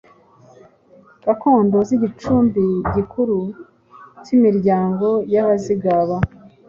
Gakondo z’ igicumbi gikuru cy’imiryango y’Abazigaba